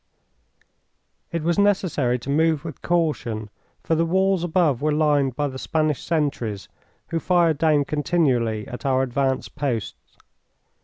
It was necessary to move with caution, for the walls above were lined by the Spanish sentries, who fired down continually at our advance posts.